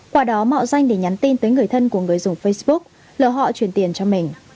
quả đó mạo danh để nhắn tin tới người thân của người dùng facebook lỡ họ truyền tiền cho mình